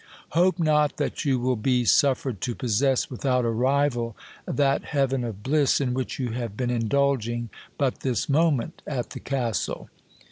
Hope not that you will be suffered to possess without a rival that heaven of bliss in which you have been indulging but this moment at the castle.